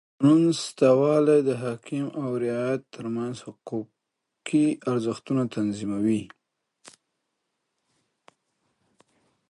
د قانون سته والى د حاکم او رعیت ترمنځ حقوقي ارزښتونه تنظیموي.